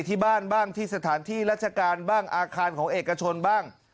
ที่บ้านบ้างที่สถานที่ราชการบ้างอาคารของเอกชนบ้าง